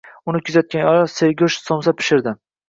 Uni kuzatgan ayol sergoʻsht somsa pishirdi.